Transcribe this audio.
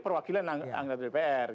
perwakilan anggota dpr